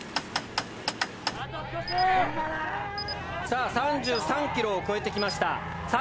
・さあ３３ｋｍを越えてきました。